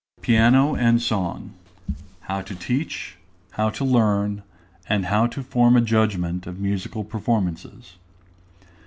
net PIANO AND SONG HOW TO TEACH, HOW TO LEARN, AND HOW TO FORM A JUDGMENT OF MUSICAL PERFORMANCES.